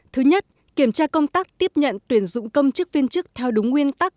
thứ nhất kiểm tra công tác tiếp nhận tuyển dụng công chức viên chức theo đúng nguyên tắc